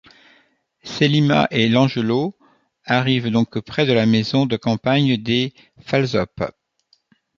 Sélima et Langelot arrivent donc près de la maison de campagne des Falsope.